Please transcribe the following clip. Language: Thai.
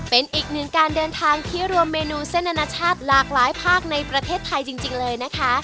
เป็นอีกหนึ่งการเดินทางที่รวมเมนูเส้นอนาชาติหลากหลายภาคในประเทศไทยจริงเลยนะคะ